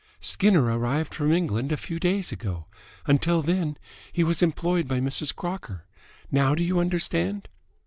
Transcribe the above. "Skinner arrived from England a few days ago. Until then he was employed by Mrs. Crocker. Now do you understand?"